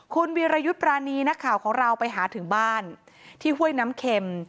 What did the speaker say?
คุณวีรยุทธ์ปรานีนักข่าวของเราไปหาถึงบ้านที่ห้วยน้ำเข็ม